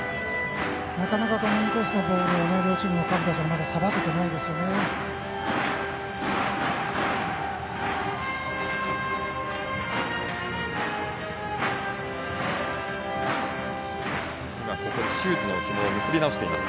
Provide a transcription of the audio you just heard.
なかなかこのインコースのボールを両チームの各打者はまだ、さばけていないですね。